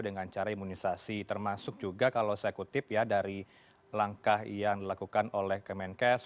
dengan cara imunisasi termasuk juga kalau saya kutip ya dari langkah yang dilakukan oleh kemenkes